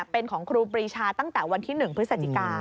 เป็นของครูปรีชาตั้งแต่วันที่๑พฤศจิกา